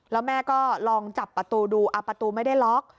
แล้วแม่ก็ลองจับประตูดูประตูไม่ได้ล็อก